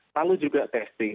lalu juga testing